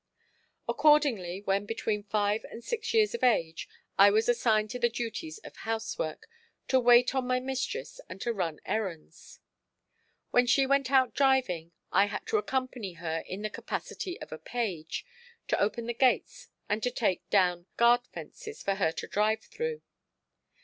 Accordingly, when between five and six years of age, I was assigned to the duties of housework, to wait on my mistress and to run errands. When she went out driving I had to accompany her in the capacity of a page, to open the gates and to take down guard fences for her to drive through.